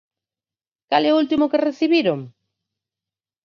Cal é o último que recibiron?